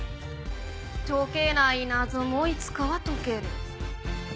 解けない謎もいつかは解ける。